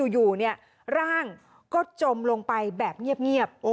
อยู่ร่างก็จมลงไปแบบเงียบ